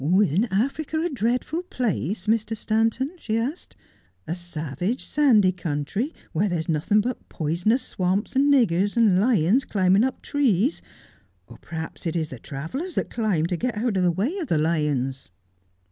'Isn't Africa a dreadful place, Mr. Stanton?' she asked, 'a 152 Just as I Am. savage sandy country, where there's nothing but poisonous swamps, and niggers, and lions climbing up trees — or perhaps it is the travellers that climb to get out of the way of the lions.'